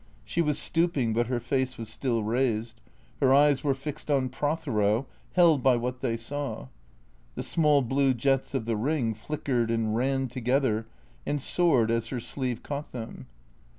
She was stooping, but her face was still raised; her eyes were fixed on Prothero, held by what they saw. The small blue jets of the ring flickered and ran together and soared as her sleeve caught them.